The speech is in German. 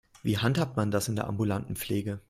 Wie handhabt man das in der ambulanten Pflege?